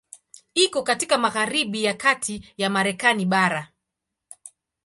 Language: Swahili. Iko katika magharibi ya kati ya Marekani bara.